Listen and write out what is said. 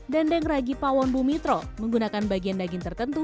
dendeng ragi pawon bumitro menggunakan bagian daging tertentu